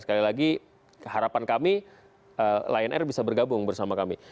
sekali lagi harapan kami lion air bisa bergabung bersama kami